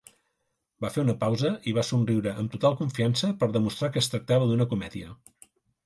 Va fer una pausa i va somriure amb total confiança per demostrar que es tractava d'una comèdia.